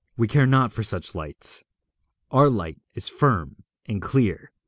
We care not for such lights. Our light is firm and clear.